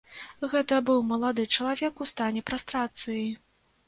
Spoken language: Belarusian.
Гэта быў малады чалавек у стане прастрацыі.